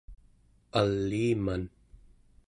aliiman